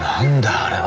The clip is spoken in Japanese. あれは。